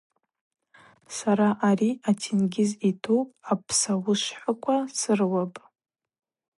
Сара ари атенгьыз йту апсауышвхӏаква срыуапӏ.